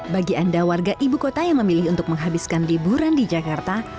bagi anda warga ibu kota yang memilih untuk menghabiskan liburan di jakarta